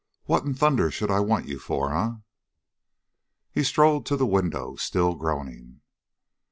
What in thunder should I want you for, eh?" He strode to the window, still groaning.